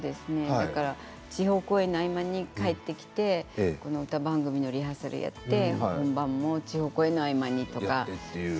そうですね地方公演の合間に帰ってきて歌番組のリハーサルをやって本番も１５公演があったりとか。